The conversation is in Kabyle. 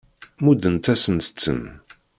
Muddent-asent-ten.